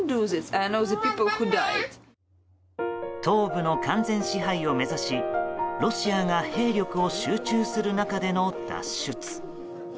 東部の完全支配を目指しロシアが兵力を集中する中での脱出。